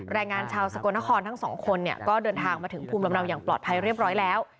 แรงงานชาวสกลนครทั้งสองคนเนี่ยก็เดินทางมาถึงภูมิลำเนาอย่างปลอดภัยเรียบร้อยแล้ว